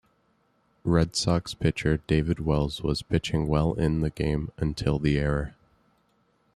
Red Sox pitcher David Wells was pitching well in the game until the error.